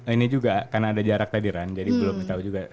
ini juga karena ada jarak tadi run jadi belum tahu juga